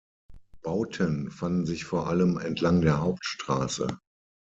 Bauten fanden sich vor allem entlang der Hauptstraße.